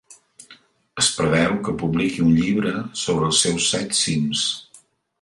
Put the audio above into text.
Es preveu que publiqui un llibre sobre els seus set cims.